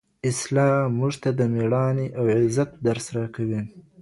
اسلام موږ ته د مېړاني او عزت درس راکوي.